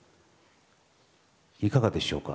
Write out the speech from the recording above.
いかがでしょうか？